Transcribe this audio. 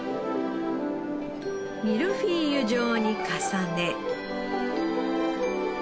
ミルフィーユ状に重ね。